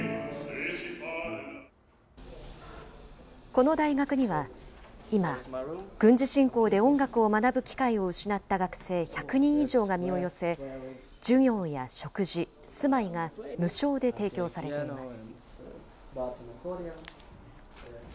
この大学には、今、軍事侵攻で音楽を学ぶ機会を失った学生１００人以上が身を寄せ、授業や食事、住まいが無償で提供されています。